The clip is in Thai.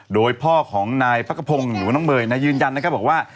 โดยพ่อของนายพระกระพงษ์หนูน้องเบยนายืนยันบอกว่า